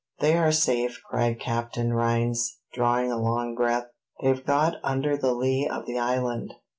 "They are safe," cried Captain Rhines, drawing a long breath; "they've got under the lee of the island.